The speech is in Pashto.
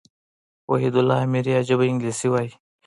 وحيدالله اميري عجبه انګلېسي وايي.